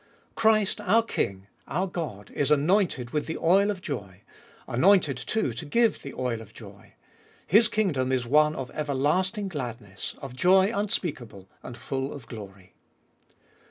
Christ, our King, our God, is anointed with the oil of joy, anointed, too, to give the oil of joy : His kingdom is one of everlasting gladness, of joy un speakable and full of glory.